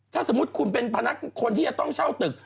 ถ้าสมมุติคุณเป็นพนักคนที่จะต้องเช่าตึก